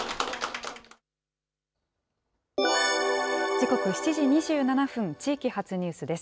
時刻７時２７分、地域発ニュースです。